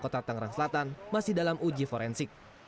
kota tangerang selatan masih dalam uji forensik